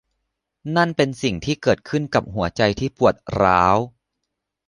นั่นเป็นสิ่งที่เกิดขึ้นกับหัวใจที่ปวดร้าว